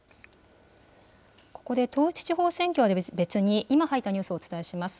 ここで、統一地方選挙とは別に、今入ったニュースをお伝えします。